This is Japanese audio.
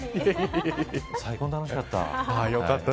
最高に楽しかった。